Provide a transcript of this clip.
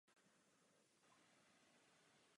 Po pěti letech byl z vězení propuštěn.